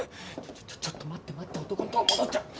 ちょちょっと待って待って男のとこ戻っちゃう。